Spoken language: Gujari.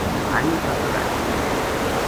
مھاری فصل ہچھی وھے